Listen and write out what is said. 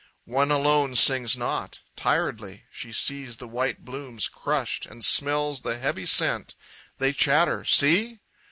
One alone sings not. Tiredly She sees the white blooms crushed, and smells The heavy scent. They chatter: "See!